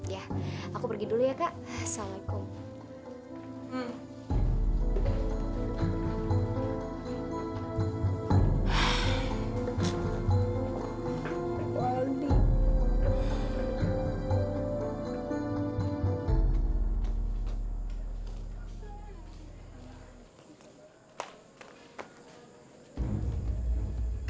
ya aku pergi dulu ya kak